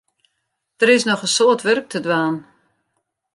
Der is noch in soad wurk te dwaan.